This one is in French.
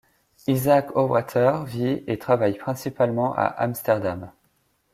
Isaac Owater vit et travaille principalement à Amsterdam.